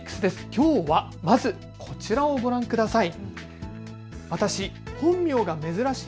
きょうはまずこちらをご覧ください。